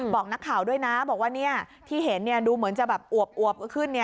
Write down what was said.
บอกนักข่าวด้วยนะบอกว่าที่เห็นดูเหมือนจะแบบอวบขึ้น